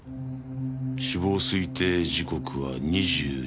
死亡推定時刻は２２時前後。